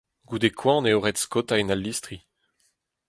Goude koan eo ret skaotañ al listri.